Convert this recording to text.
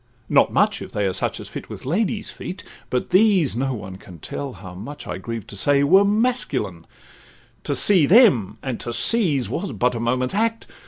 not much, if they Are such as fit with ladies' feet, but these (No one can tell how much I grieve to say) Were masculine; to see them, and to seize, Was but a moment's act.